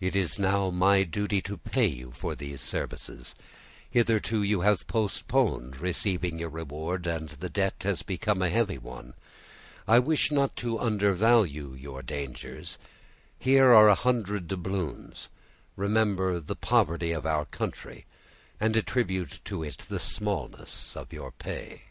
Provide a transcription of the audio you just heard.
"It is now my duty to pay you for these services; hitherto you have postponed receiving your reward, and the debt has become a heavy one—I wish not to undervalue your dangers; here are a hundred doubloons; remember the poverty of our country, and attribute to it the smallness of your pay."